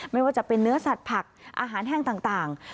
ไม่ว่าจะเป็นเนื้อสัตว์ผักอาหารแห้งต่าง